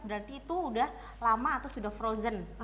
berarti itu sudah lama atau sudah frozen